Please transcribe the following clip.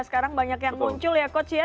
sekarang banyak yang muncul ya coach ya